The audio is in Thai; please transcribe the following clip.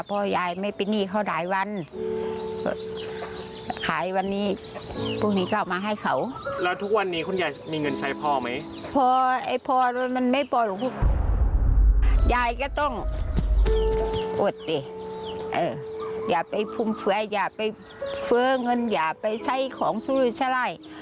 เอออย่าไปฟื้มเฟื้ออย่าไปเฟื้องนอย่าไปไส้ของสุริยสร้าย